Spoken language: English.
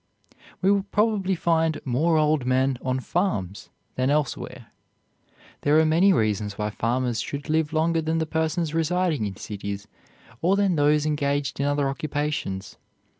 We will probably find more old men on farms than elsewhere. There are many reasons why farmers should live longer than persons residing in cities or than those engaged in other occupations.